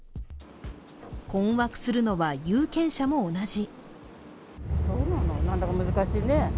困惑するのは有権者も同じ。